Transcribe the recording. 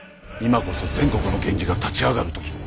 今こそ全国の源氏が立ち上がる時。